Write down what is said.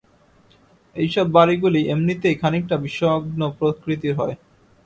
এইসব বাড়িগুলি এমনিতেই খানিকটা বিষগ্ন প্রকৃতির হয়।